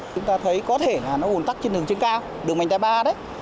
chúng ta thấy có thể là nó ủn tắc trên đường trên cao đường mành tây ba đấy